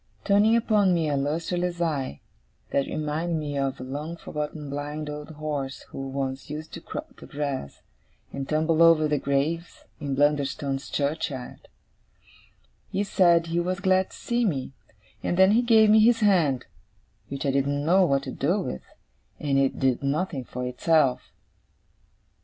Turning upon me a lustreless eye, that reminded me of a long forgotten blind old horse who once used to crop the grass, and tumble over the graves, in Blunderstone churchyard, he said he was glad to see me: and then he gave me his hand; which I didn't know what to do with, as it did nothing for itself.